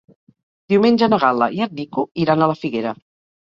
Diumenge na Gal·la i en Nico iran a la Figuera.